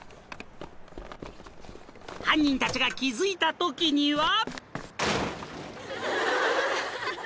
［犯人たちが気付いたときには］